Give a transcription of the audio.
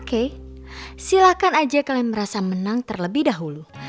oke silakan aja kalian merasa menang terlebih dahulu